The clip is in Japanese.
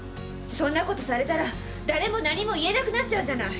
そんなことされたら誰も何も言えなくなっちゃうじゃない！